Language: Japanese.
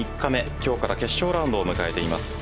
今日から決勝ラウンドを迎えています。